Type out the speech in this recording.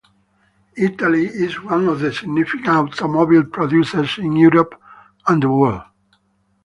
Italy is one of the significant automobile producers in Europe and the World.